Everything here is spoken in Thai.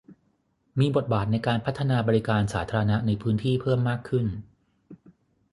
มีบทบาทในการพัฒนาบริการสาธารณะในพื้นที่เพิ่มมากขึ้น